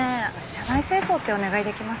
車内清掃ってお願いできます？